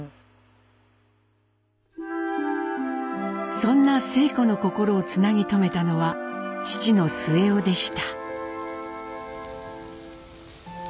そんな晴子の心をつなぎ止めたのは父の末男でした。